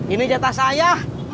ini jatah saya